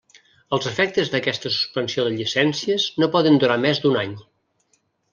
Els efectes d'aquesta suspensió de llicències no poden durar més d'un any.